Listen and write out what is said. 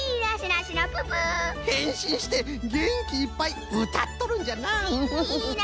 へんしんしてげんきいっぱいうたっとるんじゃなあ。